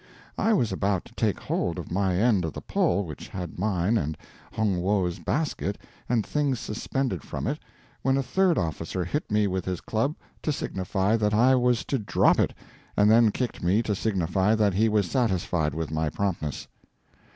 I was about to take hold of my end of the pole which had mine and Hong Wo's basket and things suspended from it, when a third officer hit me with his club to signify that I was to drop it, and then kicked me to signify that he was satisfied with my promptness.